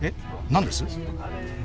何です？